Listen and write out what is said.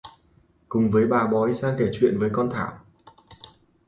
cùng với bà bói sang kể chuyện với con thảo